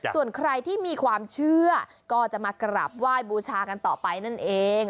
ส่วนใครที่มีความเชื่อก็จะมากราบไหว้บูชากันต่อไปนั่นเอง